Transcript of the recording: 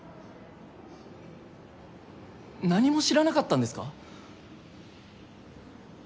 何も知らなかったんですか？